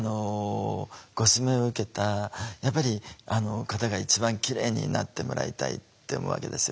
ご指名を受けた方が一番キレイになってもらいたいって思うわけですよね。